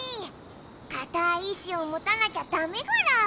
かたい意志をもたなきゃダメゴロ。